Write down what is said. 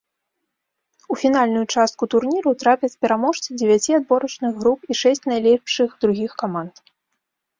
У фінальную частку турніру трапяць пераможцы дзевяці адборачных груп і шэсць найлепшых другіх каманд.